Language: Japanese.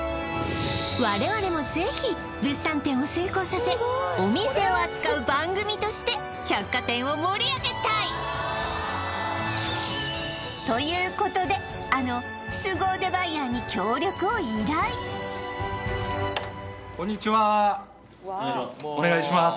我々も是非物産展を成功させお店を扱う番組として百貨店を盛り上げたいということであのスゴ腕バイヤーに協力を依頼お願いします